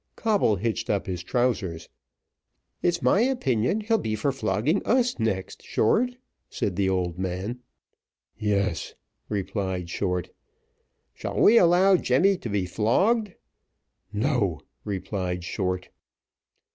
Coble hitched up his trousers. "It's my opinion he'll be for flogging us next, Short," said the old man. "Yes," replied Short. "Shall we allow Jemmy to be flogged?" "No," replied Short.